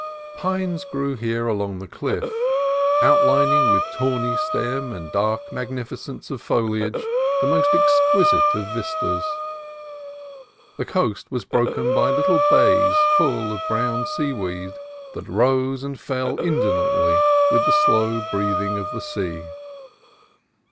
Pines grew here along the cliff, outlining with tawny stem and dark magnificence of foliage the most exquisite of vistas. The coast was broken by little bays full of brown seaweed that rose and fell indolently with the slow breathing of the sea.